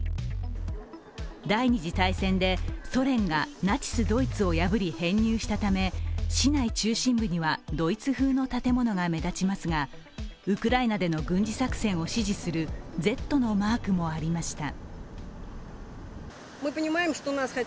第二次大戦でソ連がナチス・ドイツを破り編入したため市内中心部にはドイツ風の建物が目立ちますが、ウクライナでの軍事作戦を支持する「Ｚ」のマークもありました。